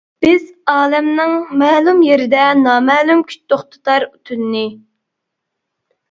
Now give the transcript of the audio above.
بىز ئالەمنىڭ مەلۇم يېرىدە نامەلۇم كۈچ توختىتار تۈننى.